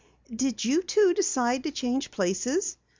"Did you two decide to change places?"